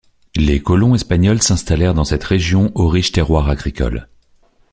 Les colons espagnols s'installèrent dans cette région au riche terroir agricole.